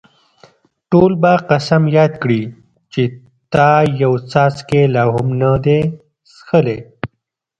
ټول به قسم یاد کړي چې تا یو څاڅکی لا هم نه دی څښلی.